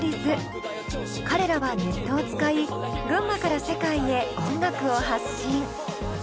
彼らはネットを使い群馬から世界へ音楽を発信。